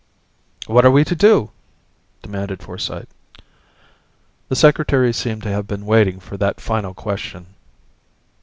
"What are we to do?" demanded Forsyte. The Secretary seemed to have been waiting for that final question.